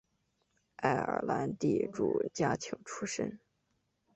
爱尔兰地主家庭出身。